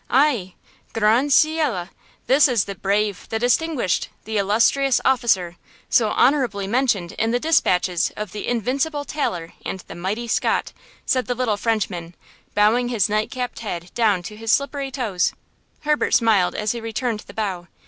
ay! Grand ciel! This is the brave, the distinguished, the illustrious officer, so honorably mentioned in the dispatches of the invincible Taylor and the mighty Scott!" said the little Frenchman, bowing his night capped head down to his slippery toes. Herbert smiled as he returned the bow.